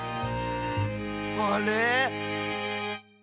あれ？